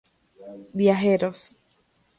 Viajeros